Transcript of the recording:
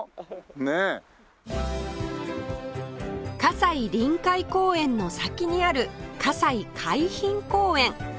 西臨海公園の先にある西海浜公園